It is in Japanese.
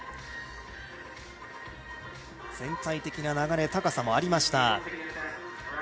全体的な流れ、高さもありました。